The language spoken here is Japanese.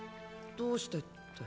どうしてって。